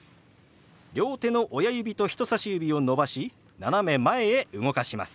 両手の親指と人さし指を伸ばし斜め前へ動かします。